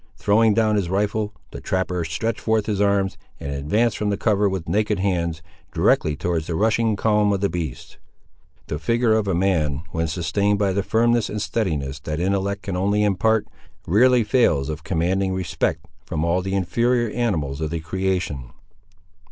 Throwing down his rifle, the trapper stretched forth his arms, and advanced from the cover with naked hands, directly towards the rushing column of the beasts. The figure of a man, when sustained by the firmness and steadiness that intellect can only impart, rarely fails of commanding respect from all the inferior animals of the creation.